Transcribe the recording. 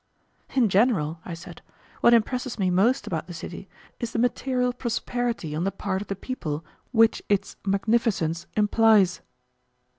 "In general," I said, "what impresses me most about the city is the material prosperity on the part of the people which its magnificence implies."